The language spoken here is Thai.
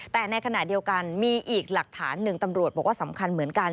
แต่ในขณะเดียวกันมีอีกหลักฐานหนึ่งตำรวจบอกว่าสำคัญเหมือนกัน